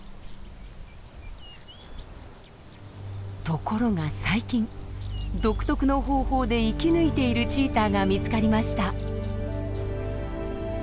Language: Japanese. ところが最近独特の方法で生き抜いているチーターが見つかりました。